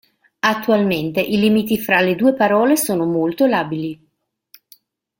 Attualmente i limiti fra le due parole sono molto labili.